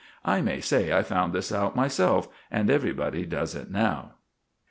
I may say I found this out myself, and everybody does it now.